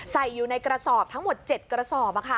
ใส่อยู่ในกระสอบทั้งหมด๗กระสอบ